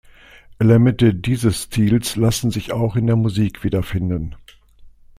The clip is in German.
Elemente dieses Stils lassen sich auch in der Musik wiederfinden.